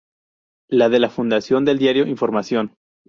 La de la fundación del Diario Información.